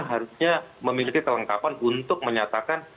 harusnya memiliki kelengkapan untuk menyatakan